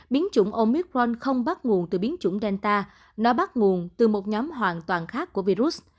biến chủng omicron không bắt nguồn từ biến chủng delta nó bắt nguồn từ một nhóm hoàn toàn khác của virus